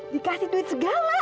dikasih duit segala